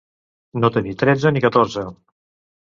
No tenir tretze ni catorze.